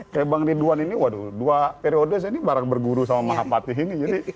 kayak bang ridwan ini waduh dua periode saya ini barang berguru sama mahapatih ini